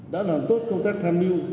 đã làm tốt công tác tham lưu